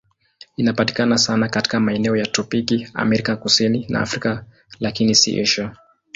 Inapatikana sana katika maeneo ya tropiki Amerika Kusini na Afrika, lakini si Asia.